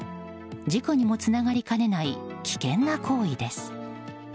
事故にもつながりかねない危険な行為です。